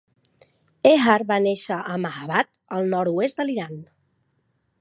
Hejar va néixer a Mahabad, al nord-oest de l'Iran.